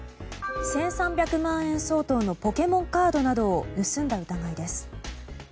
１３００万円相当のポケモンカードなどを盗んだ疑いです。